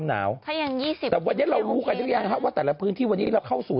หนาวจริงหรือเปล่า